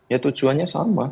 ya tujuannya sama